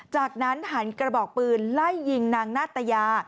จากนั้นหันกระบอกปืนไล่ยิงนางนาตยา